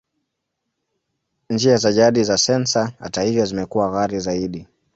Njia za jadi za sensa, hata hivyo, zimekuwa ghali zaidi.